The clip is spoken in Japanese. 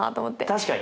確かにね。